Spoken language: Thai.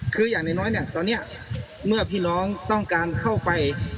คืออย่างน้อยเนี่ยตอนนี้เมื่อพี่น้องต้องการเข้าไป